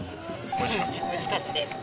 おいしかったです。